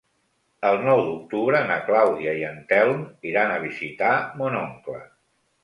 El nou d'octubre na Clàudia i en Telm iran a visitar mon oncle.